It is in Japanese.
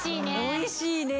おいしいね。